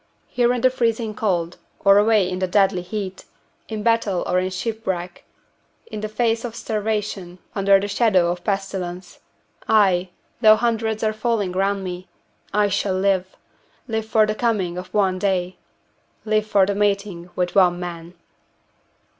Here in the freezing cold, or away in the deadly heat; in battle or in shipwreck; in the face of starvation; under the shadow of pestilence I, though hundreds are falling round me, I shall live! live for the coming of one day! live for the meeting with one man!"